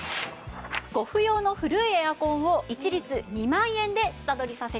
ご不要の古いエアコンを一律２万円で下取りさせて頂きます。